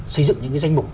xây dựng những danh mục